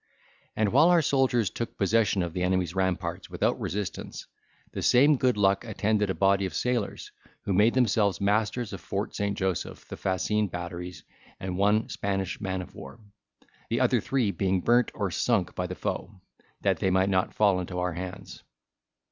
And while our soldiers took possession of the enemy's ramparts without resistance, the same good luck attended a body of sailors, who made themselves masters of Fort St. Joseph, the fascine batteries, and one Spanish man of war; the other three being burnt or sunk by the foe, that they might not fall into our hands.